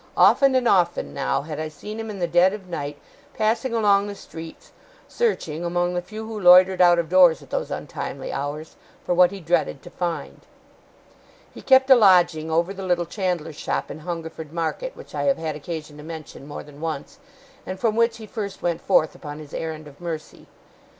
Often and often, now, had I seen him in the dead of night passing along the streets, searching, among the few who loitered out of doors at those untimely hours, for what he dreaded to find. He kept a lodging over the little chandler's shop in Hungerford Market, which I have had occasion to mention more than once, and from which he first went forth upon his errand of mercy.